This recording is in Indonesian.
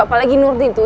apalagi nurdin tuh